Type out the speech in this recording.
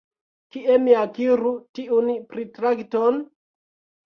Kie mi akiru tiun pritrakton?